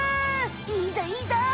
いいぞいいぞ！